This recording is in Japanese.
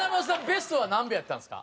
ベストは何秒やったんですか？